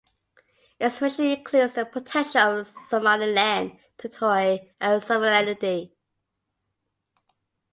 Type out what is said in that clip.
Its mission includes the protection of Somaliland territory and sovereignty.